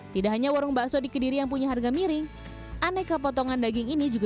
tidak hanya warung bakso di kediri yang punya harga miring aneka potongan daging ini juga